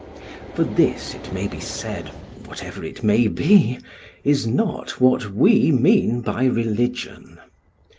For this, it may be said, whatever it may be, is not what we mean by religion.